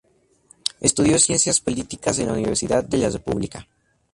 Estudió ciencias políticas en la Universidad de la República.